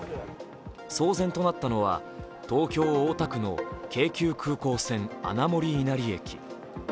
騒然となったのは東京・大田区の京急空港線・穴守稲荷駅。